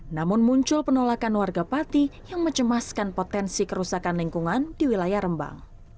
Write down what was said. namun muncul penolakan warga pati yang mencemaskan potensi kerusakan lingkungan di wilayah rembang